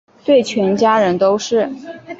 对全家人都是